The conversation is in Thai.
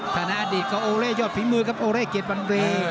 ถ้าน่าอดีตก็โอเล่ยอดภีมือครับโอเล่เกลียดวันเรียน